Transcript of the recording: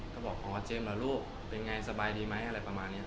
ก็บอกอ๋อเจมส์เหรอลูกเป็นไงสบายดีไหมอะไรประมาณนี้